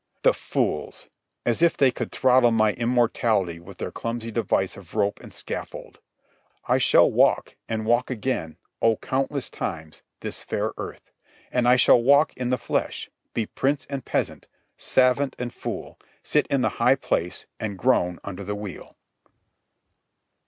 The fools! As if they could throttle my immortality with their clumsy device of rope and scaffold! I shall walk, and walk again, oh, countless times, this fair earth. And I shall walk in the flesh, be prince and peasant, savant and fool, sit in the high place and groan under the wheel.